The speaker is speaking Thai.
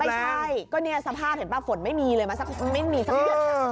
ไม่ใช่ก็เนี่ยสภาพเห็นป่ะฝนไม่มีเลยมาสักไม่มีสักเดือน